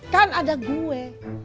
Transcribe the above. kan ada gue